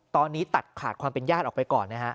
ตอนนี้ตัดขาดความเป็นญาติออกไปก่อนนะฮะ